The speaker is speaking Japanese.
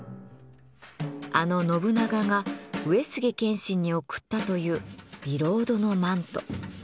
あの信長が上杉謙信に贈ったというビロードのマント。